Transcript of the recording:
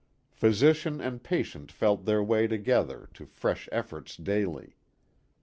Physi cian and patient felt their way together to fresh efforts daily.